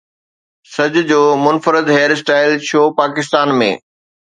سج جو منفرد هيئر اسٽائل شو پاڪستان ۾